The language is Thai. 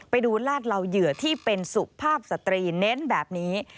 ไปดูลาดเหล่าเหยื่อที่เป็นสุภาพสตรีเน้นแบบนี้